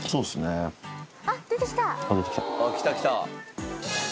あっ、出てきた。